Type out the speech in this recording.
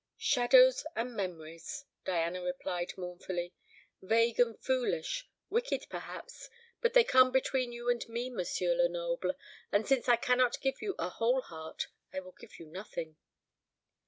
"Shadows and memories," Diana replied mournfully, "vague and foolish; wicked, perhaps; but they come between you and me, M. Lenoble. And since I cannot give you a whole heart, I will give you nothing."